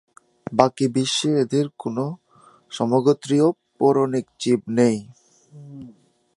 বাকি বিশ্বে এদের কোন সমগোত্রীয় পৌরাণিক জীব নেই।